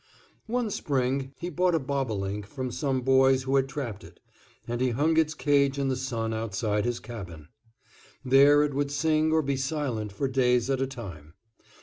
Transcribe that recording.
One spring he bought a bobolink from some boys who had trapped it; and he hung its cage in the sun outside his cabin. There it would sing or be silent for days at a time.